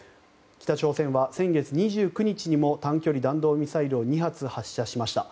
北朝鮮は先月２９日にも短距離弾道ミサイルを２発発射しました。